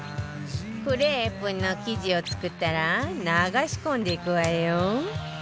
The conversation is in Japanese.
クレープの生地を作ったら流し込んでいくわよ